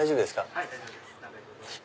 はい大丈夫です。